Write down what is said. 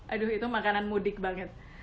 aduh itu makanan mudik banget